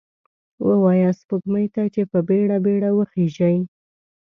ووایه سپوږمۍ ته، چې په بیړه، بیړه وخیژئ